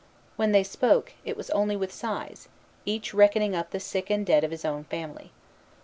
When they spoke, it was only with sighs, each reckoning up the sick and dead of his own family.